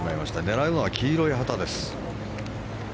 狙うのは黄色い旗です。